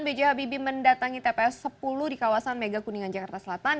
b j habibie mendatangi tps sepuluh di kawasan mega kuningan jakarta selatan